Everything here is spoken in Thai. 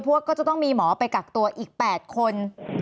ว่าก็จะต้องมีหมอไปกักตัวอีก๘คน